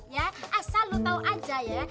ya asal lo tau aja ya